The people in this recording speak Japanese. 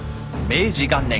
明治元年